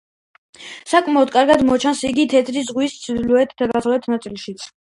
საკმაოდ კარგად მოჩანს იგი თეთრი ზღვის ჩრდილოეთ-დასავლეთ ნაწილშიც.